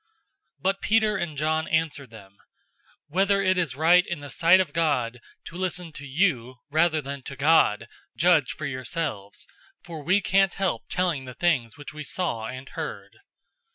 004:019 But Peter and John answered them, "Whether it is right in the sight of God to listen to you rather than to God, judge for yourselves, 004:020 for we can't help telling the things which we saw and heard."